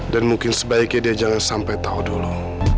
dan mungkin sebaiknya dia jangan sampai tahu dulu